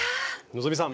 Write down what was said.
希さん